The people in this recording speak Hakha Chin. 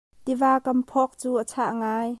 Tiva kam phawk cu a chah ngai.